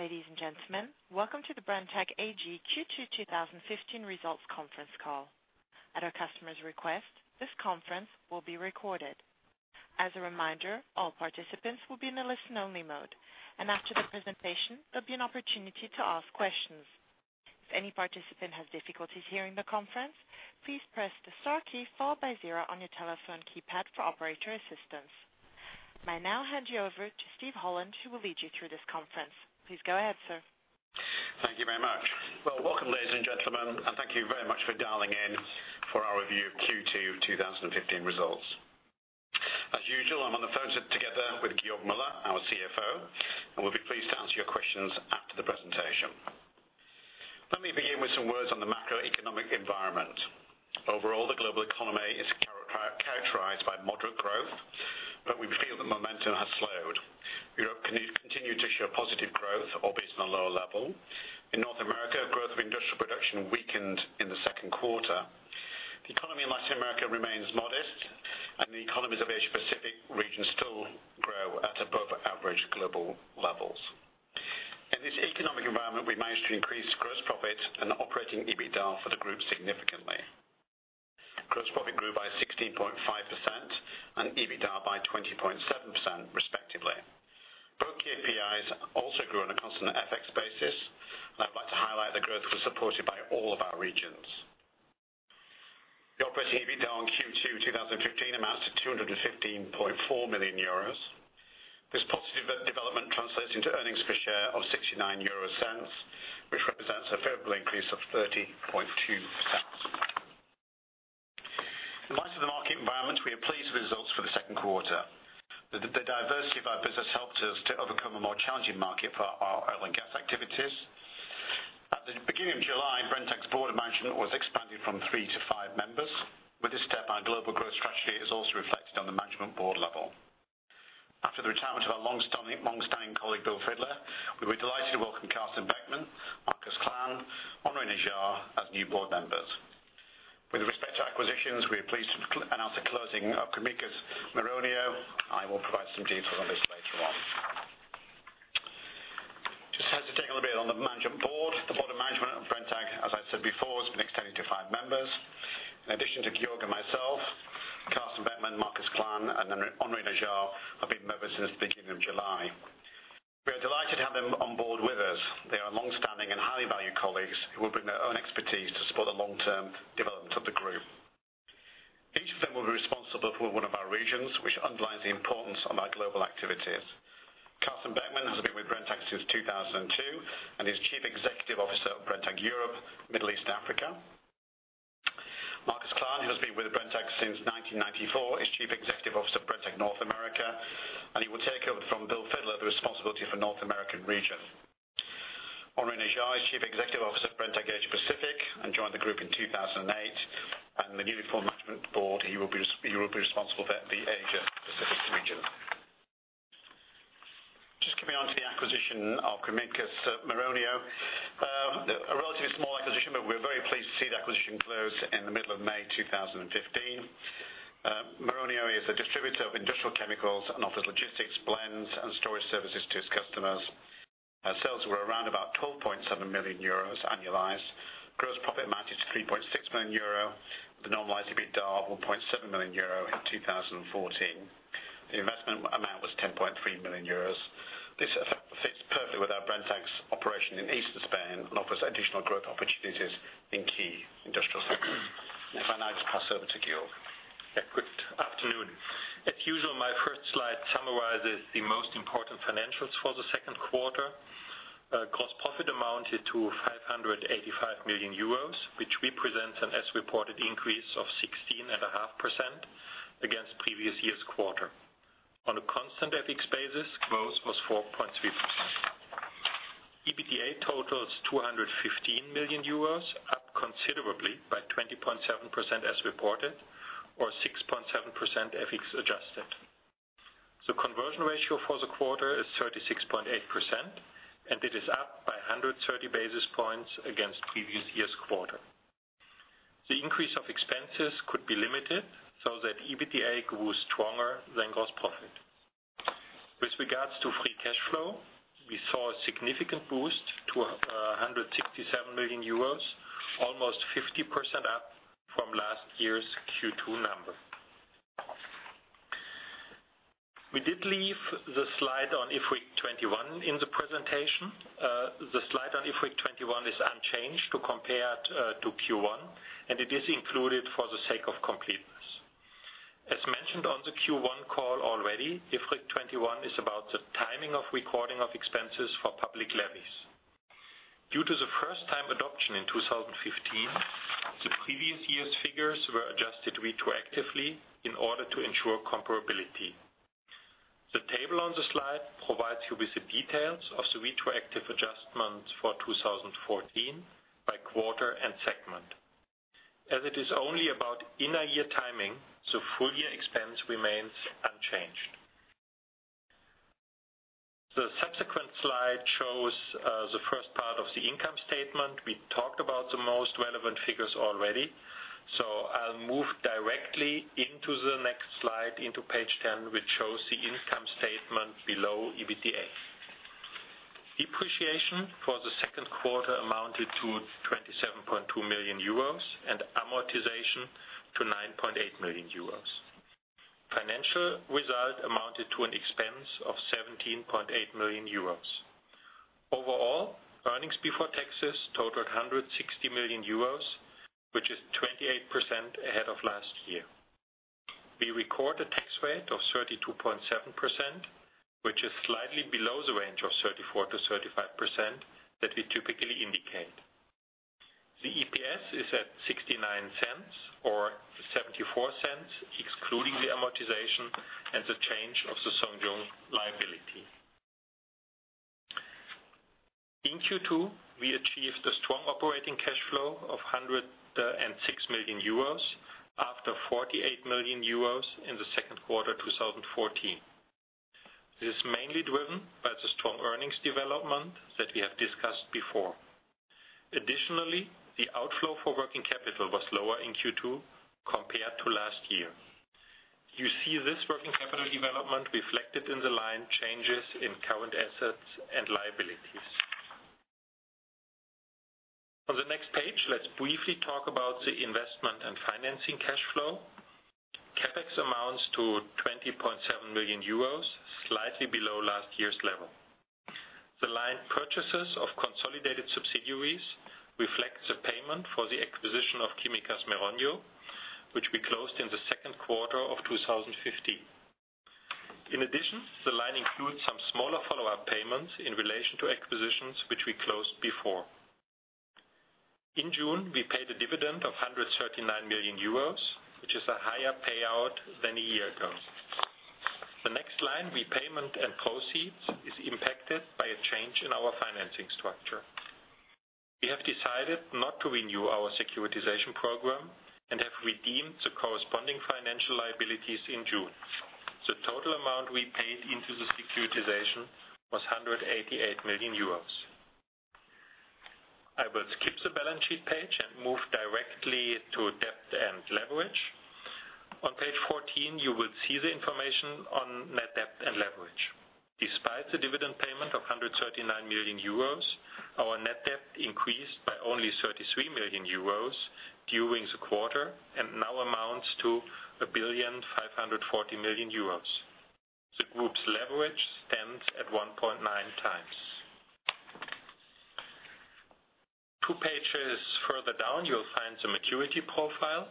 Ladies and gentlemen, welcome to the Brenntag AG Q2 2015 results conference call. At our customer's request, this conference will be recorded. As a reminder, all participants will be in a listen-only mode, and after the presentation, there'll be an opportunity to ask questions. If any participant has difficulties hearing the conference, please press the star key followed by zero on your telephone keypad for operator assistance. May now hand you over to Steven Holland, who will lead you through this conference. Please go ahead, sir. Thank you very much. Welcome, ladies and gentlemen, and thank you very much for dialing in for our review of Q2 2015 results. As usual, I'm on the phone sit together with Georg Müller, our CFO, and we'll be pleased to answer your questions after the presentation. Let me begin with some words on the macroeconomic environment. Overall, the global economy is characterized by moderate growth, we feel the momentum has slowed. Europe continued to show positive growth, albeit on a lower level. In North America, growth of industrial production weakened in the second quarter. The economy in Latin America remains modest, and the economies of Asia Pacific region still grow at above average global levels. In this economic environment, we managed to increase gross profit and operating EBITDA for the group significantly. Gross profit grew by 16.5% and EBITDA by 20.7% respectively. Both KPIs also grew on a constant FX basis. I'd like to highlight the growth was supported by all of our regions. The operating EBITDA on Q2 2015 amounts to 215.4 million euros. This positive development translates into earnings per share of 0.69, which represents a favorable increase of 30.2%. In light of the market environment, we are pleased with the results for the second quarter. The diversity of our business helped us to overcome a more challenging market for our oil and gas activities. At the beginning of July, Brenntag's board of management was expanded from three to five members. With this step, our global growth strategy is also reflected on the management board level. After the retirement of our long-standing colleague, William Fidler, we were delighted to welcome Karsten Beckmann, Markus Klähn, Henri Nejade as new board members. With respect to acquisitions, we are pleased to announce the closing of Químicas Meroño. I will provide some details on this later on. Just hesitate a little bit on the management board. The board of management of Brenntag, as I said before, has been extended to five members. In addition to Georg and myself, Karsten Beckmann, Markus Klähn, and Henri Nejade have been members since the beginning of July. We are delighted to have them on board with us. They are long-standing and highly valued colleagues who will bring their own expertise to support the long-term development of the group. Each of them will be responsible for one of our regions, which underlines the importance of our global activities. Karsten Beckmann has been with Brenntag since 2002 and is Chief Executive Officer of Brenntag Europe, Middle East & Africa. Markus Klähn, who has been with Brenntag since 1994, is Chief Executive Officer of Brenntag North America, and he will take over from William Fidler the responsibility for North American region. Henri Nejade is Chief Executive Officer of Brenntag Asia Pacific and joined the group in 2008. The newly formed management board, he will be responsible for the Asia Pacific region. Coming on to the acquisition of Químicas Meroño. A relatively small acquisition, we're very pleased to see the acquisition close in the middle of May 2015. Meroño is a distributor of industrial chemicals and offers logistics, blends, and storage services to its customers. Our sales were around about 12.7 million euros annualized. Gross profit amounted to 3.6 million euro. The normalized EBITDA, 1.7 million euro in 2014. The investment amount was 10.3 million euros. This fits perfectly with our Brenntag's operation in Eastern Spain and offers additional growth opportunities in key industrial sectors. If I now just pass over to Georg. Good afternoon. As usual, my first slide summarizes the most important financials for the second quarter. Gross profit amounted to 585 million euros, which represents an as reported increase of 16.5% against previous year's quarter. On a constant FX basis, growth was 4.3%. EBITDA totals 215 million euros, up considerably by 20.7% as reported or 6.7% FX adjusted. Conversion ratio for the quarter is 36.8%, and it is up by 130 basis points against previous year's quarter. The increase of expenses could be limited so that EBITDA grew stronger than gross profit. With regards to free cash flow, we saw a significant boost to 167 million euros, almost 50% up from last year's Q2 number. We did leave the slide on IFRIC 21 in the presentation. The slide on IFRIC 21 is unchanged to compare it to Q1, it is included for the sake of completeness. As mentioned on the Q1 call already, IFRIC 21 is about the timing of recording of expenses for public levies. Due to the first-time adoption in 2015, the previous year's figures were adjusted retroactively in order to ensure comparability. The table on the slide provides you with the details of the retroactive adjustments for 2014 by quarter and segment. As it is only about inner year timing, full year expense remains unchanged. The subsequent slide shows the first Statement. We talked about the most relevant figures already. I'll move directly into the next slide, into page 10, which shows the income statement below EBITDA. Depreciation for the second quarter amounted to 27.2 million euros and amortization to 9.8 million euros. Financial result amounted to an expense of 17.8 million euros. Overall, earnings before taxes totaled 160 million euros, which is 28% ahead of last year. We record a tax rate of 32.7%, which is slightly below the range of 34%-35% that we typically indicate. The EPS is at 0.69 or 0.74, excluding the amortization and the change of the Zhong Yung liability. In Q2, we achieved a strong operating cash flow of 106 million euros after 48 million euros in the second quarter 2014. This is mainly driven by the strong earnings development that we have discussed before. Additionally, the outflow for working capital was lower in Q2 compared to last year. You see this working capital development reflected in the line changes in current assets and liabilities. On the next page, let's briefly talk about the investment and financing cash flow. CapEx amounts to 20.7 million euros, slightly below last year's level. The line purchases of consolidated subsidiaries reflect the payment for the acquisition of Químicas Meroño, which we closed in the second quarter of 2015. In addition, the line includes some smaller follow-up payments in relation to acquisitions which we closed before. In June, we paid a dividend of 139 million euros, which is a higher payout than a year ago. The next line, repayment and proceeds, is impacted by a change in our financing structure. We have decided not to renew our securitization program and have redeemed the corresponding financial liabilities in June. The total amount we paid into the securitization was 188 million euros. I will skip the balance sheet page and move directly to debt and leverage. On page 14, you will see the information on net debt and leverage. Despite the dividend payment of 139 million euros, our net debt increased by only 33 million euros during the quarter and now amounts to 1.540 billion. The group's leverage stands at 1.9x. Two pages further down, you'll find the maturity profile.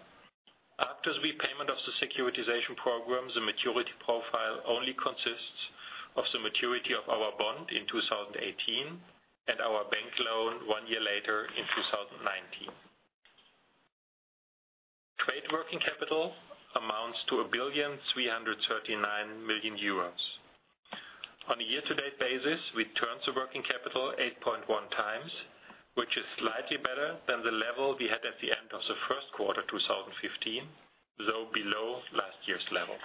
After repayment of the securitization program, the maturity profile only consists of the maturity of our bond in 2018 and our bank loan one year later in 2019. Trade working capital amounts to 1,339,000,000 euros. On a year-to-date basis, we turned the working capital 8.1x, which is slightly better than the level we had at the end of the first quarter 2015, though below last year's level.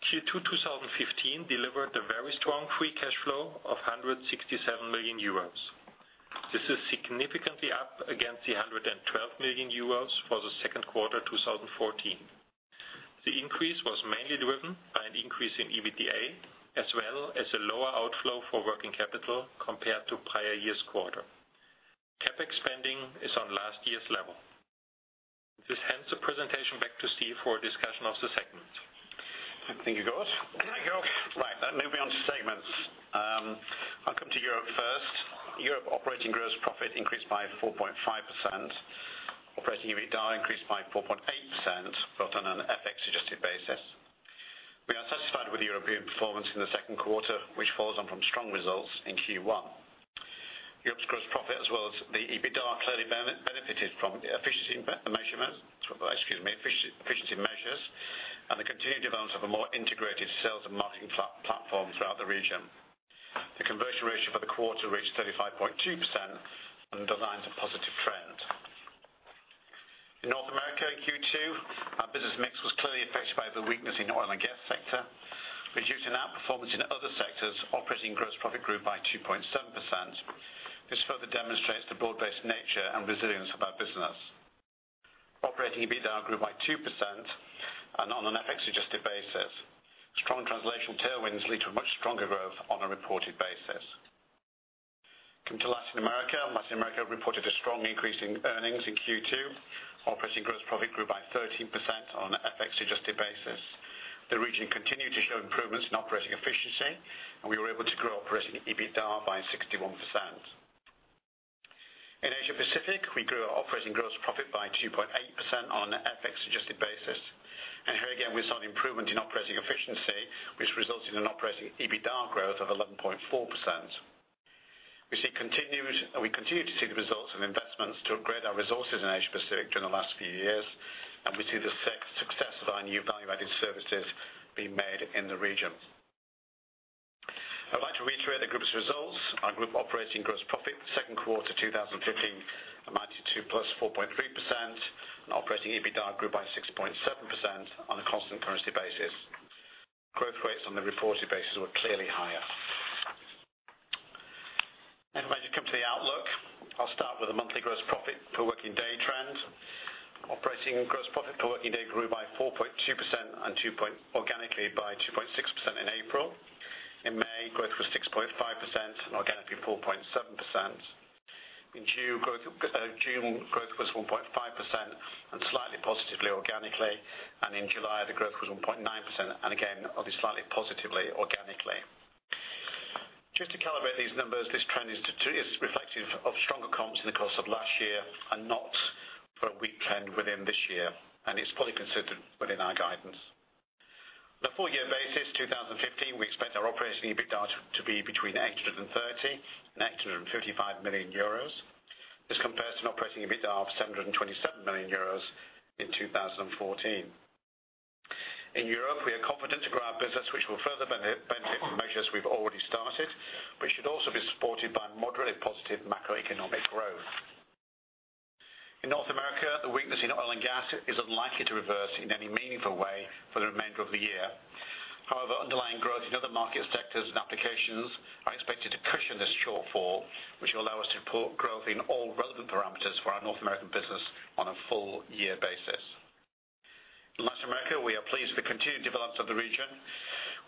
Q2 2015 delivered a very strong free cash flow of 167 million euros. This is significantly up against the 112 million euros for the second quarter 2014. The increase was mainly driven by an increase in EBITDA, as well as a lower outflow for working capital compared to prior year's quarter. CapEx spending is on last year's level. This hands the presentation back to Steve for a discussion of the segment. Thank you, Georg. Thank you. Right, let me move on to segments. I'll come to Europe first. Europe operating gross profit increased by 4.5%. Operating EBITDA increased by 4.8%, both on an FX adjusted basis. We are satisfied with European performance in the second quarter, which follows on from strong results in Q1. Europe's gross profit as well as the EBITDA clearly benefited from efficiency measures and the continued development of a more integrated sales and marketing platform throughout the region. The conversion ratio for the quarter reached 35.2% and underlines a positive trend. In North America, Q2, our business mix was clearly affected by the weakness in oil and gas sector. Due to an outperformance in other sectors, operating gross profit grew by 2.7%. This further demonstrates the broad-based nature and resilience of our business. Operating EBITDA grew by 2% and on an FX adjusted basis. Strong translation tailwinds lead to a much stronger growth on a reported basis. Come to Latin America. Latin America reported a strong increase in earnings in Q2. Operating gross profit grew by 13% on an FX adjusted basis. The region continued to show improvements in operating efficiency, and we were able to grow operating EBITDA by 61%. In Asia-Pacific, we grew our operating gross profit by 2.8% on an FX adjusted basis. Here again, we saw an improvement in operating efficiency, which resulted in an operating EBITDA growth of 11.4%. We continue to see the results of investments to upgrade our resources in Asia-Pacific during the last few years, and we see the success of our new value-added services being made in the region. I'd like to reiterate the group's results. Our group operating gross profit second quarter 2015 amounted to +4.3%, and operating EBITDA grew by 6.7% on a constant currency basis. Growth rates on the reported basis were clearly higher. As you come to the outlook, I'll start with the monthly gross profit per working day trend. Operating gross profit per working day grew by 4.2% and organically by 2.6% in April. In May, growth was 6.5% and organically 4.7%. In June, growth was 1.5% and slightly positively organically. In July, the growth was 1.9% and again, obviously slightly positively organically. Just to calibrate these numbers, this trend is reflective of stronger comps in the course of last year and not for a weak trend within this year, and it's fully considered within our guidance. On a full year basis, 2015, we expect our operating EBITDA to be between 830 million euros and 855 million euros. This compares to an operating EBITDA of 727 million euros in 2014. In Europe, we are confident to grow our business, which will further benefit from measures we've already started, but should also be supported by moderately positive macroeconomic growth. In North America, the weakness in oil and gas is unlikely to reverse in any meaningful way for the remainder of the year. However, underlying growth in other market sectors and applications are expected to cushion this shortfall, which will allow us to support growth in all relevant parameters for our North American business on a full year basis. In Latin America, we are pleased with the continued developments of the region.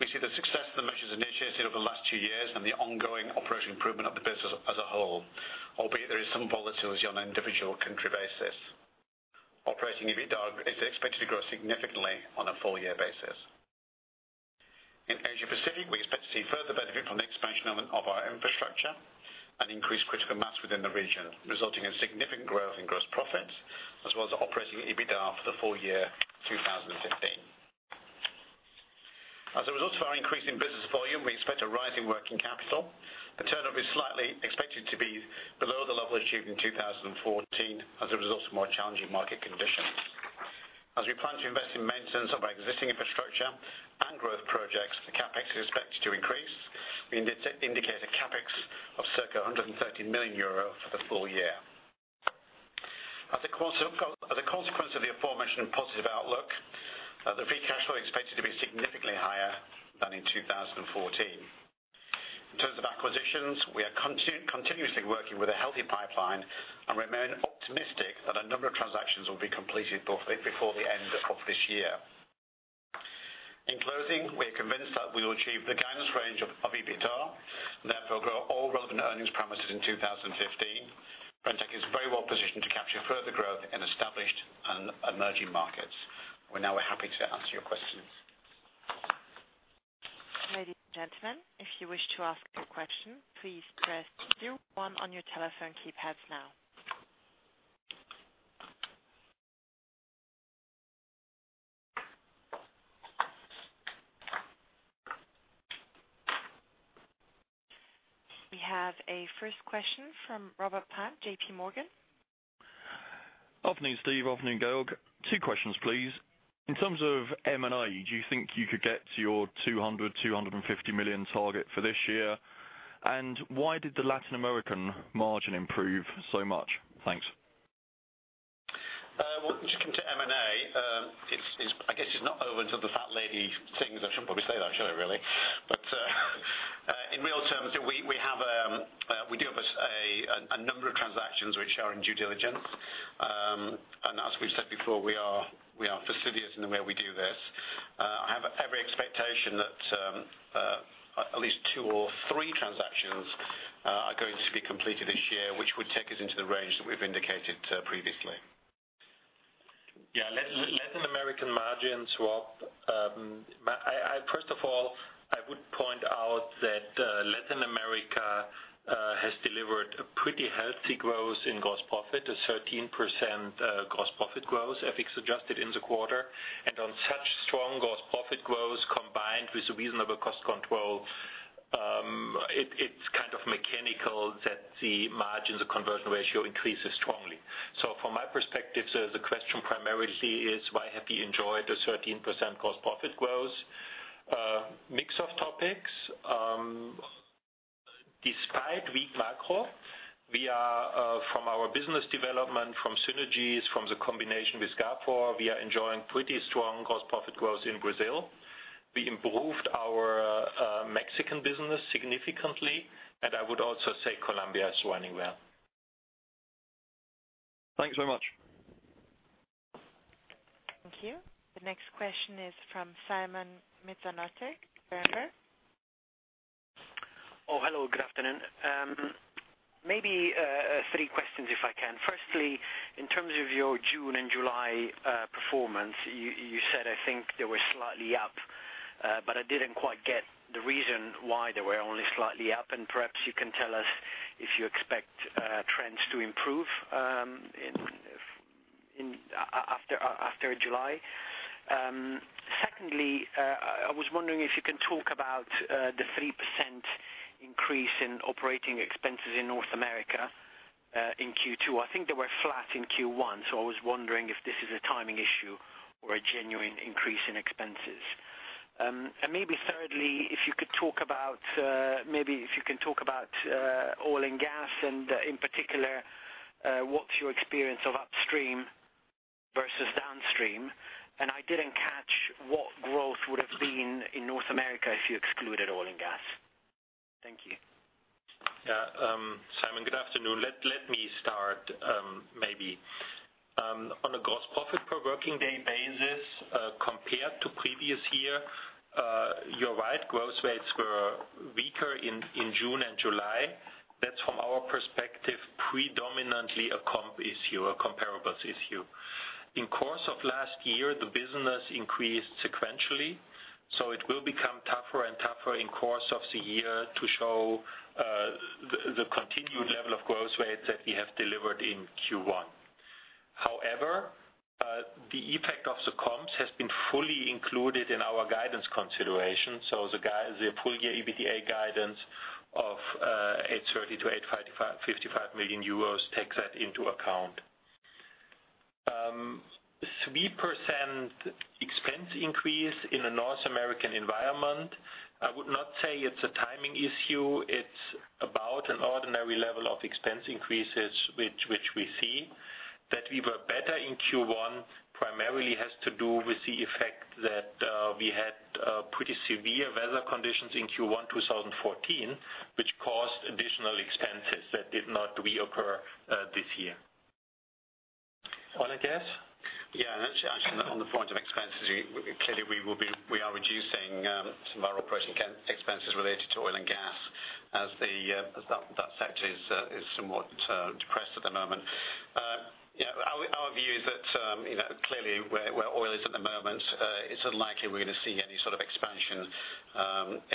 We see the success of the measures initiated over the last two years and the ongoing operational improvement of the business as a whole. Albeit, there is some volatility on an individual country basis. Operating EBITDA is expected to grow significantly on a full year basis. In Asia Pacific, we expect to see further benefit from the expansion of our infrastructure and increased critical mass within the region, resulting in significant growth in gross profits, as well as operating EBITDA for the full year 2015. As a result of our increasing business volume, we expect a rise in working capital. The turn rate is slightly expected to be below the level achieved in 2014 as a result of more challenging market conditions. As we plan to invest in maintenance of our existing infrastructure and growth projects, the CapEx is expected to increase. We indicate a CapEx of circa 130 million euro for the full year. As a consequence of the aforementioned positive outlook, the free cash flow is expected to be significantly higher than in 2014. In terms of acquisitions, we are continuously working with a healthy pipeline and remain optimistic that a number of transactions will be completed before the end of this year. In closing, we are convinced that we will achieve the guidance range of EBITDA and therefore grow all relevant earnings parameters in 2015. Brenntag is very well positioned to capture further growth in established and emerging markets. We're now happy to answer your questions. Ladies and gentlemen, if you wish to ask a question, please press zero one on your telephone keypads now. We have a first question from Robert Pann, JPMorgan. Afternoon, Steve. Afternoon, Georg. Two questions, please. In terms of M&A, do you think you could get to your 200 million-250 million target for this year? Why did the Latin American margin improve so much? Thanks. Well, just coming to M&A, I guess it's not over until the fat lady sings. I shouldn't probably say that, should I, really? In real terms, we do have a number of transactions which are in due diligence. As we've said before, we are fastidious in the way we do this. I have every expectation that at least two or three transactions are going to be completed this year, which would take us into the range that we've indicated previously. Yeah. Latin American margins. First of all, I would point out that Latin America has delivered a pretty healthy growth in gross profit, a 13% gross profit growth, FX adjusted in the quarter. On such strong gross profit growth combined with reasonable cost control, it's kind of mechanical that the margins or conversion ratio increases strongly. From my perspective, the question primarily is, why have you enjoyed a 13% gross profit growth? Mix of topics. Despite weak macro, from our business development, from synergies, from the combination with Gafor, we are enjoying pretty strong gross profit growth in Brazil. We improved our Mexican business significantly, I would also say Colombia is running well. Thanks very much. Thank you. The next question is from Simon Toennessen, Berenberg. Hello. Good afternoon. Maybe three questions if I can. Firstly, in terms of your June and July performance, you said I think they were slightly up. I didn't quite get the reason why they were only slightly up, and perhaps you can tell us if you expect trends to improve after July. I was wondering if you can talk about the 3% increase in operating expenses in North America in Q2. I think they were flat in Q1, I was wondering if this is a timing issue or a genuine increase in expenses. Maybe thirdly, if you could talk about oil and gas, and in particular, what's your experience of upstream versus downstream. I didn't catch what growth would have been in North America if you excluded oil and gas. Thank you. Simon, good afternoon. Let me start, maybe. On a gross profit per working day basis, compared to previous year, you're right, growth rates were weaker in June and July. That's from our perspective, predominantly a comp issue, a comparables issue. In course of last year, the business increased sequentially, it will become tougher and tougher in course of the year to show the continued level of growth rates that we have delivered in Q1. However, the effect of the comps has been fully included in our guidance consideration. The full year EBITDA guidance of 830 million to 855 million euros takes that into account. 3% expense increase in the North American environment. I would not say it's a timing issue. It's about an ordinary level of expense increases, which we see. That we were better in Q1 primarily has to do with the effect that we had pretty severe weather conditions in Q1 2014, which caused additional expenses that did not reoccur this year. Oil and gas? Yeah. Actually, on the point of expenses, clearly, we are reducing some of our operating expenses related to oil and gas as that sector is somewhat depressed at the moment. Our view is that, clearly, where oil is at the moment, it's unlikely we're going to see any sort of expansion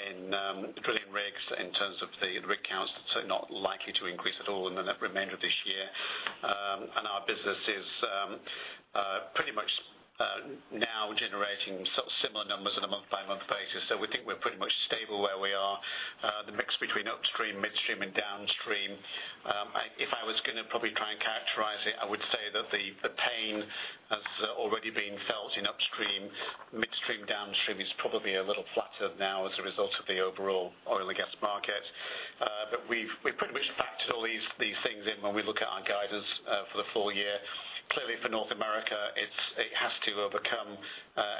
in drilling rigs in terms of the rig counts. Not likely to increase at all in the remainder of this year. Our business is pretty much now generating similar numbers on a month-by-month basis. We think we're pretty much stable where we are. The mix between upstream, midstream and downstream, if I was going to probably try and characterize it, I would say that the pain has already been felt in upstream. Midstream, downstream is probably a little flatter now as a result of the overall oil and gas market. We've pretty much factored all these things in when we look at our guidance for the full year. Clearly, for North America, it has to overcome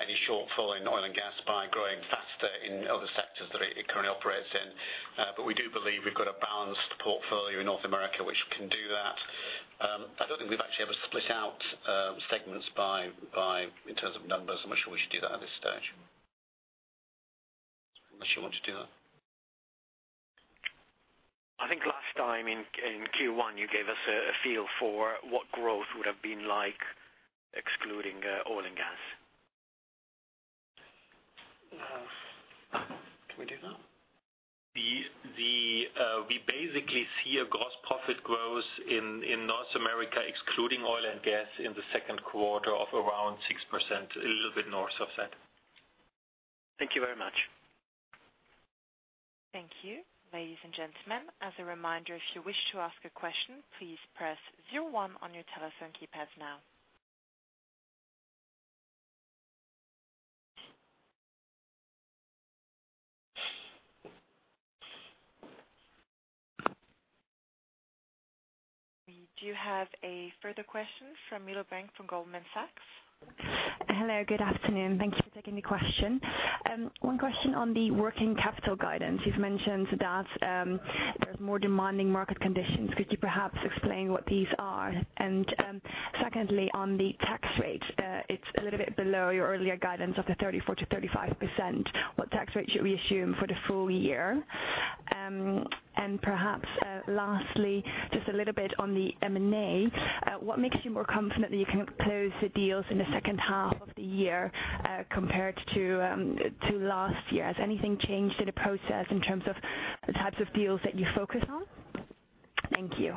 any shortfall in oil and gas by growing faster in other sectors that it currently operates in. We do believe we've got a balanced portfolio in North America, which can do that. I don't think we've actually ever split out segments in terms of numbers. I'm not sure we should do that at this stage. Unless you want to do that. I think last time in Q1, you gave us a feel for what growth would have been like excluding oil and gas. Can we do that? We basically see a gross profit growth in North America, excluding oil and gas, in the second quarter of around 6%. A little bit north of that. Thank you very much. Thank you. Ladies and gentlemen, as a reminder, if you wish to ask a question, please press 01 on your telephone keypads now. We do have a further question from Milo Bank from Goldman Sachs. Hello, good afternoon. Thank you for taking the question. One question on the working capital guidance. You've mentioned that there's more demanding market conditions. Could you perhaps explain what these are? Secondly, on the tax rates, it's a little bit below your earlier guidance of the 34%-35%. What tax rate should we assume for the full year? Perhaps lastly, just a little bit on the M&A. What makes you more confident that you can close the deals in the second half of the year compared to last year? Has anything changed in the process in terms of the types of deals that you focus on? Thank you.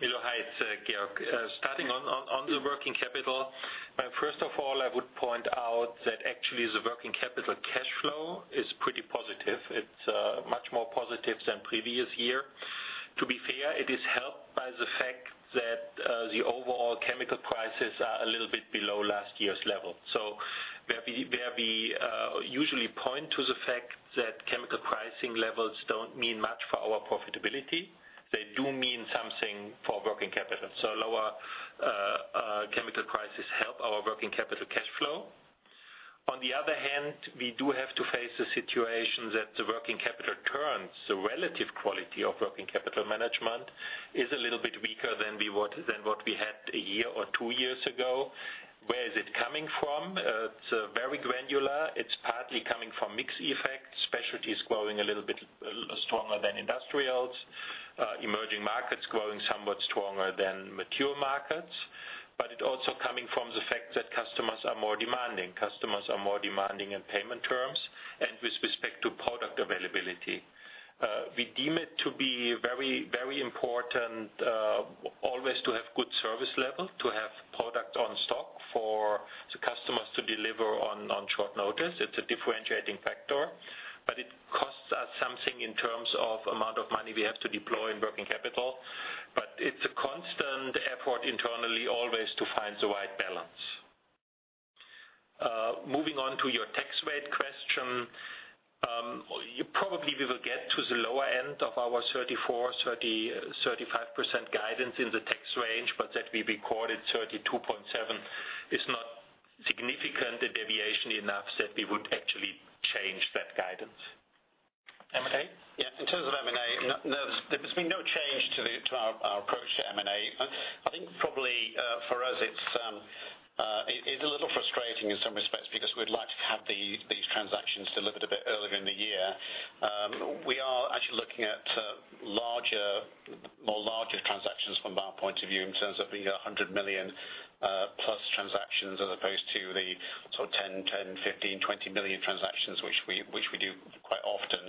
Milo. Hi, it's Georg. Starting on the working capital. First of all, I would point out that actually, the working capital cash flow is pretty positive. It's much more positive than previous year. To be fair, it is helped by the fact that the overall chemical prices are a little bit below last year's level. Where we usually point to the fact that chemical pricing levels don't mean much for our profitability, they do mean something for working capital. Lower chemical prices help our working capital cash flow. On the other hand, we do have to face the situation that the working capital turns, the relative quality of working capital management is a little bit weaker than what we had a year or two years ago. Where is it coming from? It's very granular. It's partly coming from mix effect. Specialty is growing a little bit stronger than industrials. Emerging markets growing somewhat stronger than mature markets. It also coming from the fact that customers are more demanding. Customers are more demanding in payment terms and with respect to product availability. We deem it to be very important always to have good service level, to have product on stock for the customers to deliver on short notice. It's a differentiating factor, but it costs us something in terms of amount of money we have to deploy in working capital. It's a constant effort internally always to find the right balance. Moving on to your tax- Probably we will get to the lower end of our 34%-35% guidance in the tax range, but that we recorded 32.7% is not significant a deviation enough that we would actually change that guidance. M&A? Yeah. In terms of M&A, there's been no change to our approach to M&A. I think probably for us, it's a little frustrating in some respects because we'd like to have these transactions delivered a bit earlier in the year. We are actually looking at more larger transactions from our point of view in terms of the 100 million plus transactions as opposed to the sort of 10 million, 15 million, 20 million transactions, which we do quite often.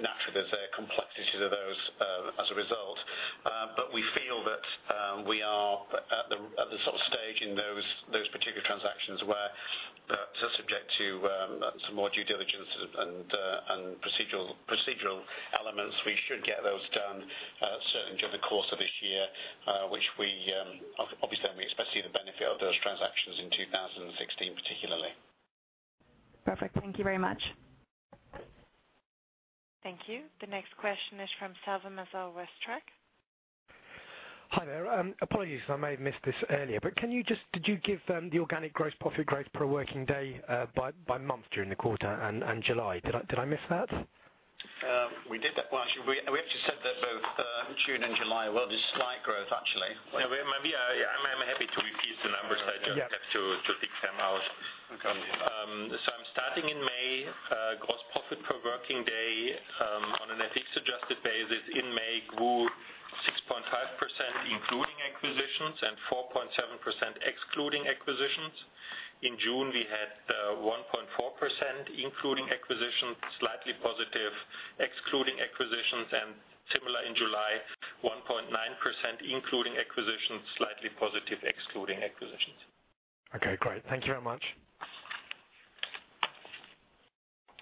Naturally, there's complexities of those as a result. We feel that we are at the stage in those particular transactions where they're subject to some more due diligence and procedural elements. We should get those done certainly during the course of this year, which we obviously then we expect to see the benefit of those transactions in 2016, particularly. Perfect. Thank you very much. Thank you. The next question is from Salma Mazi, WestLB. Hi there. Apologies, I may have missed this earlier, but did you give the organic gross profit growth per working day by month during the quarter and July? Did I miss that? We did that. Well, actually, we have just said that both June and July. Well, there's slight growth, actually. I'm happy to repeat the numbers. I just have to pick them out. Okay. I'm starting in May. Gross profit per working day on an FX-adjusted basis in May grew 6.5% including acquisitions and 4.7% excluding acquisitions. In June, we had 1.4% including acquisitions, slightly positive excluding acquisitions, and similar in July, 1.9% including acquisitions, slightly positive excluding acquisitions. Great. Thank you very much.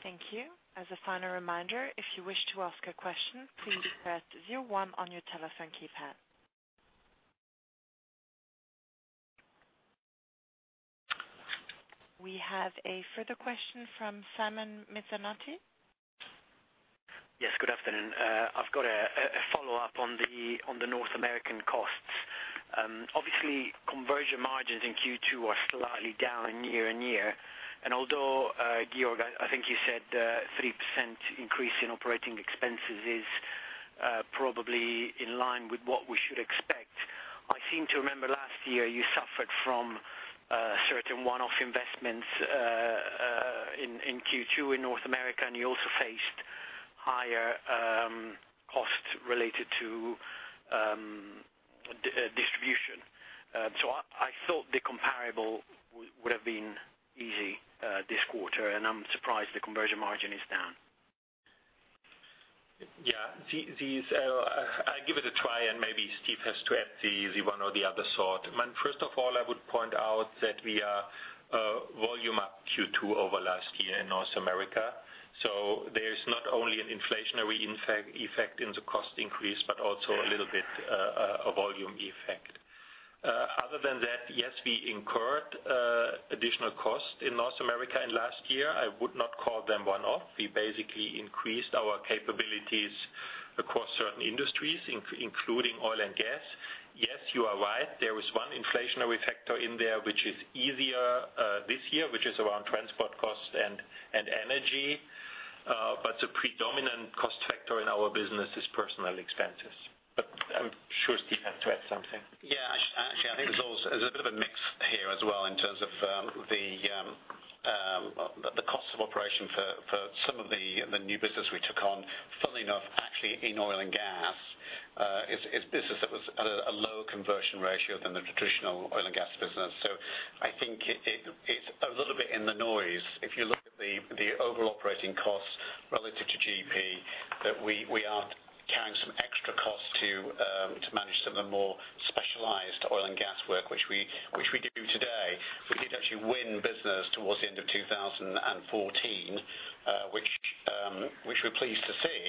Thank you. As a final reminder, if you wish to ask a question, please press zero one on your telephone keypad. We have a further question from Simon Toennessen. Yes, good afternoon. I've got a follow-up on the North American costs. Obviously, conversion margins in Q2 are slightly down year-on-year, and although, Georg, I think you said 3% increase in operating expenses is probably in line with what we should expect. I seem to remember last year you suffered from certain one-off investments in Q2 in North America, and you also faced higher costs related to distribution. I thought the comparable would have been easy this quarter, and I'm surprised the conversion margin is down. Yes. I'll give it a try, and maybe Steven has to add the one or the other sort. First of all, I would point out that we are volume up Q2 over last year in North America. There is not only an inflationary effect in the cost increase, but also a little bit a volume effect. Other than that, yes, we incurred additional cost in North America in last year. I would not call them one-off. We basically increased our capabilities across certain industries, including oil and gas. Yes, you are right, there is one inflationary factor in there, which is easier this year, which is around transport costs and energy. The predominant cost factor in our business is personnel expenses. I'm sure Steven has to add something. Yes. Actually, I think there's a bit of a mix here as well in terms of the cost of operation for some of the new business we took on. Funnily enough, actually in oil and gas. It's a business that was at a low conversion ratio than the traditional oil and gas business. I think it's a little bit in the noise. If you look at the overall operating costs relative to GP, that we are carrying some extra costs to manage some of the more specialized oil and gas work, which we do today. We did actually win business towards the end of 2014, which we're pleased to see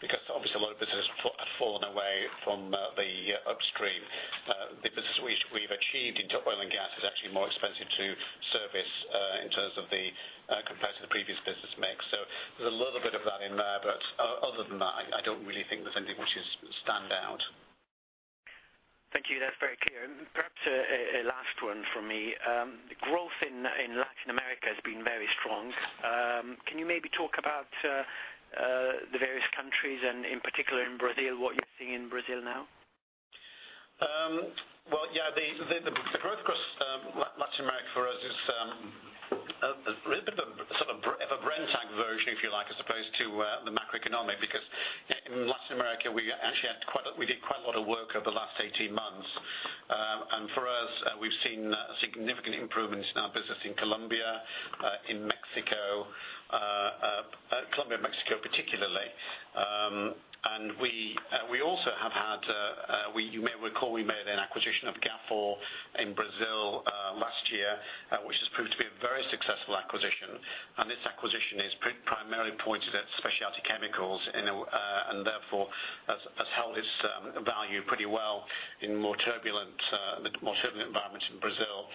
because obviously a lot of businesses have fallen away from the upstream. The business which we've achieved into oil and gas is actually more expensive to service compared to the previous business mix. There's a little bit of that in there. Other than that, I don't really think there's anything which is stand out. Thank you. That's very clear. Perhaps a last one from me. Growth in Latin America has been very strong. Can you maybe talk about the various countries and in particular in Brazil, what you're seeing in Brazil now? Well, yeah, the growth across Latin America for us is a little bit of a Brenntag version, if you like, as opposed to the macroeconomic. In Latin America, we did quite a lot of work over the last 18 months. For us, we've seen significant improvements in our business in Colombia, Mexico particularly. You may recall we made an acquisition of Gafor in Brazil last year, which has proved to be a very successful acquisition. This acquisition is primarily pointed at specialty chemicals and therefore has held its value pretty well in the more turbulent environments in Brazil.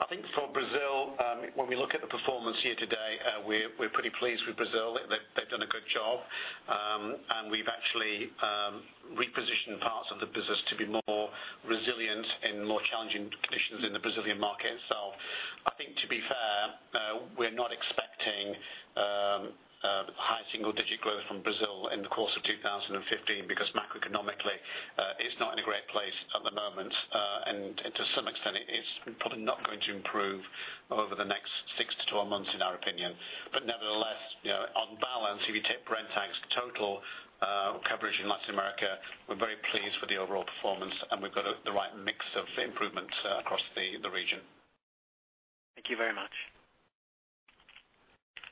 I think for Brazil, when we look at the performance here today, we're pretty pleased with Brazil. They've done a good job. We've actually repositioned parts of the business to be more resilient in more challenging conditions in the Brazilian market. I think to be fair, we're not expecting high single-digit growth from Brazil in the course of 2015 because macroeconomically it's not in a great place at the moment. To some extent, it's probably not going to improve over the next six to 12 months in our opinion. Nevertheless, on balance, if you take Brenntag's total coverage in Latin America, we're very pleased with the overall performance, and we've got the right mix of improvements across the region. Thank you very much.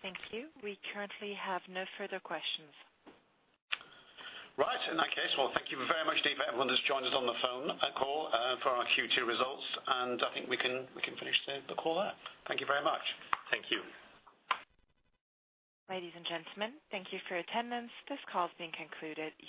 Thank you. We currently have no further questions. Right. In that case, well, thank you very much for everyone who's joined us on the phone call for our Q2 results. I think we can finish the call there. Thank you very much. Thank you. Ladies and gentlemen, thank you for your attendance. This call has been concluded.